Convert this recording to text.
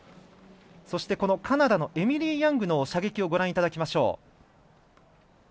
そして、カナダのエミリー・ヤングの射撃をご覧いただきましょう。